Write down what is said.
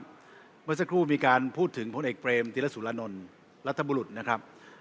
เมื่อสักครู่มีการพูดถึงพลเอกเปรมธิรสุรานนท์รัฐบุรุษนะครับ